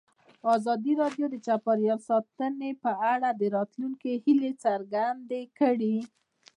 ازادي راډیو د چاپیریال ساتنه په اړه د راتلونکي هیلې څرګندې کړې.